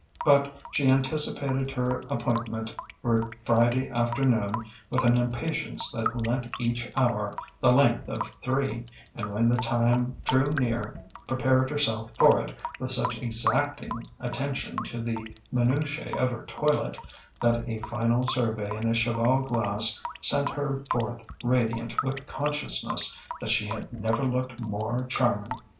But she anticipated her appointment for Friday afternoon with an impatience that lent each hour the length of three, and when the time drew near prepared herself for it with such exacting attention to the minutiæ of her toilet that a final survey in a cheval glass sent her forth radiant with consciousness that she had never looked more charming.